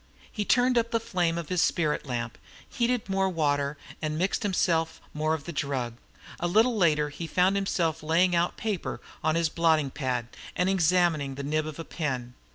He turned up the flame of his spirit lamp, heated more water, and mixed himself more of the drug. A little later he found himself laying out paper on his blotting pad, and examining the nib of a pen.